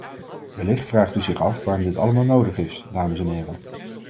Wellicht vraagt u zich af waarom dit allemaal nodig is, dames en heren.